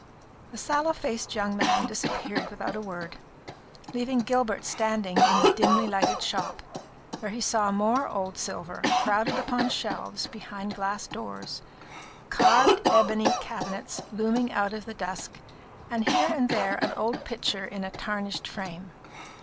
The sallow faced young man disappeared without a word, leaving Gilbert standing in the dimly lighted shop, where he saw more old silver crowded upon shelves behind glass doors, carved ebony cabinets looming out of the dusk, and here and there an old picture in a tarnished frame.